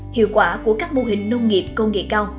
hiệu quả của các mô hình nông nghiệp công nghệ cao